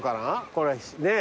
これねっ。